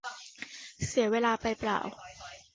เสียเวลาไปเปล่า